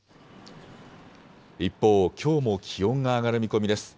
一方、きょうも気温が上がる見込みです。